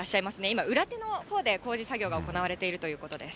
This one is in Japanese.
今、裏手のほうで、工事作業が行われているということです。